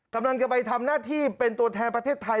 กำลังจะไปทำหน้าที่เป็นตัวแทนประเทศไทย